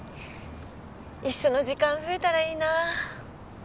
一緒の時間増えたらいいなあ。